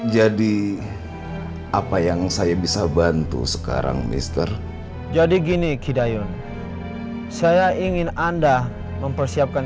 jadi apa yang saya bisa bantu sekarang mister jadi gini kidayun saya ingin anda mempersiapkan